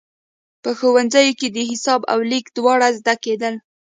په ښوونځیو کې د حساب او لیک دواړه زده کېدل.